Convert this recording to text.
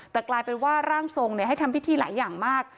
แต่กลายเป็นว่าร่างทรงให้ทำพิธีหลายอย่างมาก